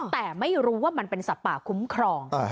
แต่ไม่รู้ว่ามันเป็นสัตว์ป่าคุ้มครอง